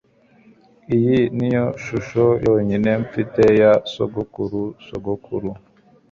Iyi niyo shusho yonyine mfite ya sogokurusogokuru